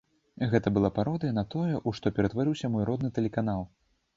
Гэта была пародыя на тое, у што ператварыўся мой родны тэлеканал.